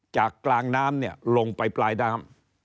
จากกลางน้ำเนี่ยลงไปปลายน้ำ